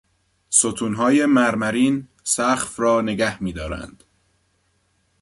ستونهای مرمرین سقف را نگه میدارند.